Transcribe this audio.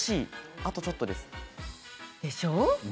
あとちょっとです。でしょう？